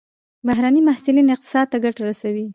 بهرني محصلین اقتصاد ته ګټه رسوي.